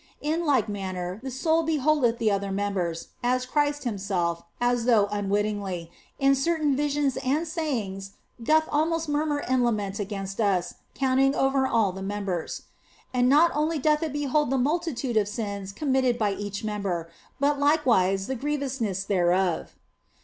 In like manner the soul beholdeth the other members (as Christ Himself, as though unwittingly, in certain visions and sayings doth almost murmur and lament against us, counting over all the members), and not only doth it behold the multitude of sins committed by each member, but likewise the grievousness thereof.